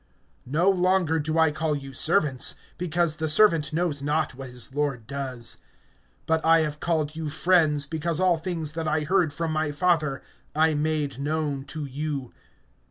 (15)No longer do I call you servants; because the servant knows not what his lord does. But I have called you friends because all things that I heard from my Father I made known to you.